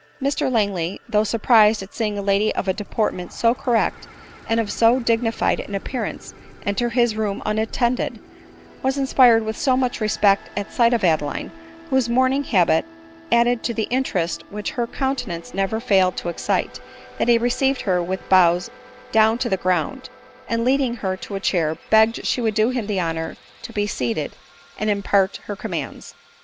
Mr Langley, though surprised at seeing a lady of a deportment so correct and of so dignified an appearance enter his room unattended, was inspired with so much respect at sight of Adeline, whose mourning habit added V ; 210 ADELINE MOWBRAY. * to the interest which her countenance never failed to excite, that he received her with bows down to the ground, and leading her to a chair, begged she would do .' him the honor to be seated, and' imjiart her commands.